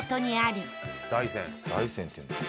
大山っていうんだ。